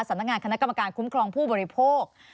สำนักงานคณะกรรมการคุ้มครองผู้บริโภค